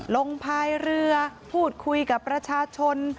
พายเรือพูดคุยกับประชาชน